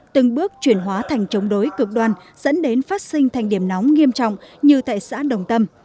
từng bước chuyển hóa thành chống đối cực đoan dẫn đến phát sinh thành điểm nóng nghiêm trọng như tại xã đồng tâm